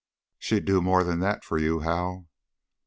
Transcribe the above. "She'd do more than that for you, Hal."